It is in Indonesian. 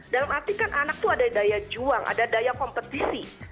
dalam arti kan anak itu ada daya juang ada daya kompetisi